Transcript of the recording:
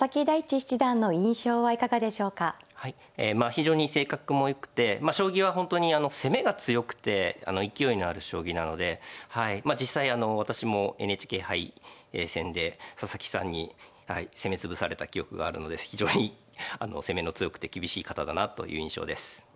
非常に性格もよくて将棋は本当に攻めが強くて勢いのある将棋なので実際私もＮＨＫ杯戦で佐々木さんに攻め潰された記憶があるので非常に攻めの強くて厳しい方だなという印象です。